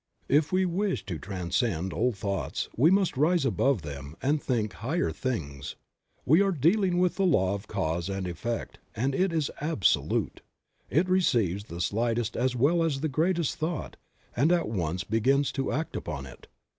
If we wish to transcend old thoughts we must rise above them and think higher things.' We are dealing with the law of cause and effect and it is absolute^ it receives the slightest as well as the greatest thought and at once begins to act upon it.